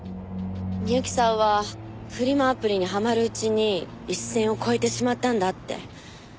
美由紀さんはフリマアプリにハマるうちに一線を越えてしまったんだって。